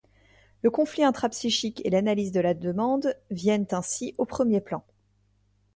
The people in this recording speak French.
Le conflit intrapsychique et l'analyse de la demande viennent ainsi au premier plan.